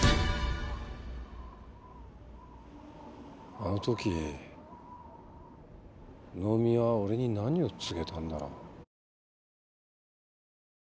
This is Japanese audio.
あの時能見は俺に何を告げたんだろう？